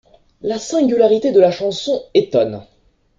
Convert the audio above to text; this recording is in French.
La singularité de la chanson étonne.